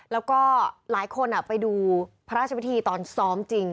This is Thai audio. แล้วก็หลายคนไปดูพระราชพิธีตอนซ้อมจริง